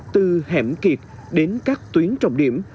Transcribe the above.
từ hẻm kiệt đến các tuyến trọng điểm